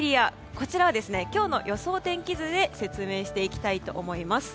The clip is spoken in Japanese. こちらは、今日の予想天気図で説明していきたいと思います。